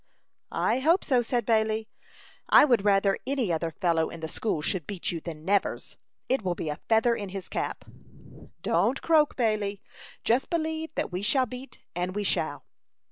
"I hope so," said Bailey. "I would rather any other fellow in the school should beat you than Nevers. It will be a feather in his cap." "Don't croak, Bailey. Just believe that we shall beat, and we shall."